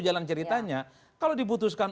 jalan ceritanya kalau diputuskan